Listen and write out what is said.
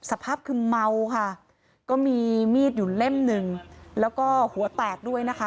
สภาพคือเมาค่ะก็มีมีดอยู่เล่มหนึ่งแล้วก็หัวแตกด้วยนะคะ